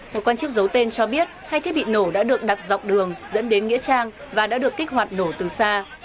một quan chức giấu tên cho biết hai thiết bị nổ đã được đặt dọc đường dẫn đến nghĩa trang và đã được kích hoạt nổ từ xa